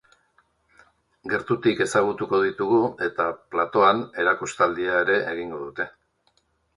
Gertutik ezagutuko ditugu eta platoan erakustaldia ere egingo dute.